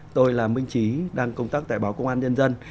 tôi là minh trí đang công tác tại báo công an nhân dân